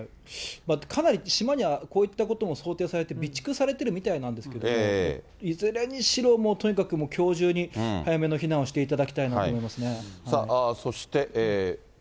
かなり島にはこういったことも想定されて備蓄されてるみたいなんですけれども、いずれにしろ、とにかくもうきょう中に、早めの避難をしていただきたいなと思いますね。